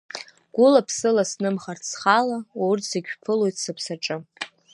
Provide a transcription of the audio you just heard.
Гәыла-ԥсыла снымхацт схала, урҭ зегь шәԥылоит сыԥсаҿы.